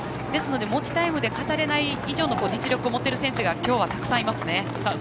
ですので持ちタイムで語れない以上の実力を持っている選手がきょうはたくさんいますね。